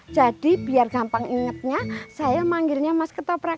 tapi nama indro itu ketoprak